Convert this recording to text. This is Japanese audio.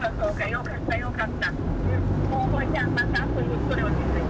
よかったよかった。